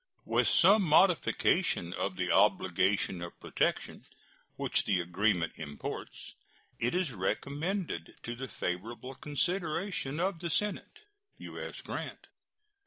With some modification of the obligation of protection which the agreement imports, it is recommended to the favorable consideration of the Senate. U.S. GRANT.